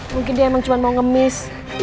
mungkin dia emang cuma mau ngemis